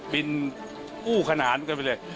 บินอู้ขนานไปเลย